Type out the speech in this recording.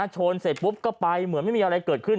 ชนเสร็จปุ๊บก็ไปเหมือนไม่มีอะไรเกิดขึ้น